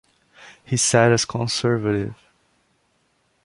He sat as Conservative.